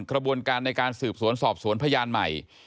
กระบวนการในการสืบสวนสอบสวนพยานใหม่